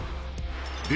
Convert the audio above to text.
で